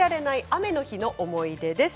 雨の日の思い出です。